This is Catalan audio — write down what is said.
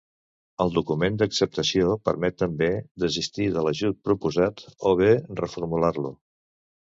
El document d'acceptació permet també desistir de l'ajut proposat o bé reformular-lo.